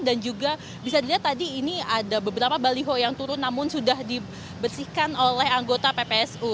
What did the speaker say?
dan juga bisa dilihat tadi ini ada beberapa baliho yang turun namun sudah dibersihkan oleh anggota ppsu